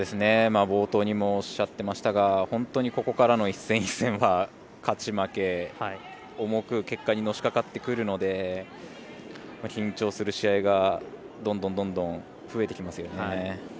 冒頭にもおっしゃってましたが本当にここからの一戦一戦は勝ち負け重く結果にのしかかってくるので緊張する試合がどんどん、どんどん増えてきますよね。